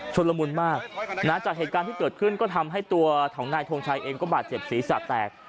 ละมุนมากนะจากเหตุการณ์ที่เกิดขึ้นก็ทำให้ตัวของนายทงชัยเองก็บาดเจ็บศีรษะแตก